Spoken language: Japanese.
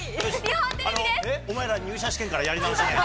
お前ら、入社試験からやり直し。